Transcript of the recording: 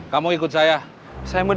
dia katanya lebih muda